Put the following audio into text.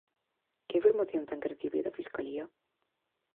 ¿Que información ten que recibir da Fiscalía?